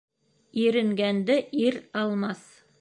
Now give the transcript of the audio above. Иренгәнде ир алмаҫ.